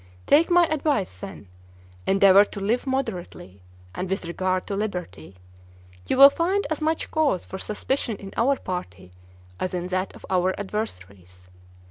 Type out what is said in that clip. Take my advice then; endeavor to live moderately; and with regard to liberty, you will find as much cause for suspicion in our party as in that of our adversaries.